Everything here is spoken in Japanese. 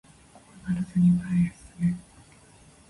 怖がらずに前へ進め